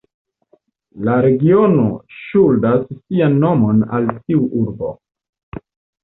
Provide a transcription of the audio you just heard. La regiono ŝuldas sian nomon al tiu urbo.